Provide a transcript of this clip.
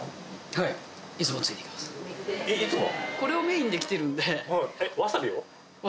いつも？